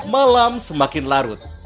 malam semakin larut